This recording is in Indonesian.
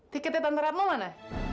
tiketnya tantaratmu mana